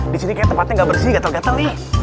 di sini kayaknya tempatnya gak bersih gatel gatel nih